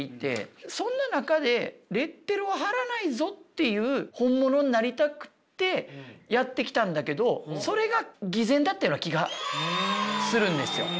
そんな中でレッテルを貼らないぞっていう本物になりたくてやってきたんだけどそれが偽善だったような気がするんですよ。